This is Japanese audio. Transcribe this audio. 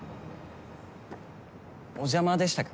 お邪魔でしたか？